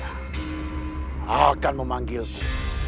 aku akan memanggilku